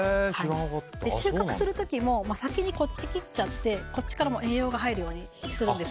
収穫する時も先にこっちを切っちゃって栄養が入らないようにするんです。